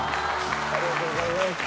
ありがとうございます。